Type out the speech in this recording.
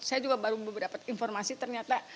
saya juga baru beberapa informasi ternyata